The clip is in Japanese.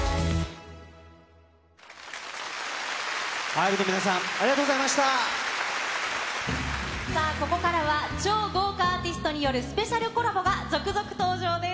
ＩＶＥの皆さん、ありがとうここからは、超豪華アーティストによるスペシャルコラボが続々登場です。